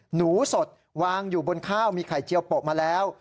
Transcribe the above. หนูสดวางอยู่บนข้าวมีไข่เจียวโปะมาแล้ว